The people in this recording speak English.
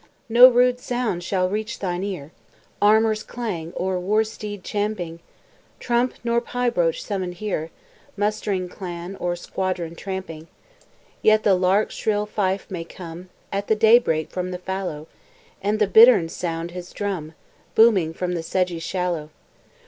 "No rude sound shall reach thine ear, Armour's clang, or war steed champing, Trump nor pibroch summon here Mustering clan, or squadron tramping. Yet the lark's shrill fife may come At the daybreak from the fallow, And the bittern sound his drum, Booming from the sedgy shallow.